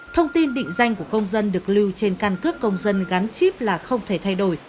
thông tin định danh của công dân được lưu trên căn cước công dân gắn chip là không thể thay đổi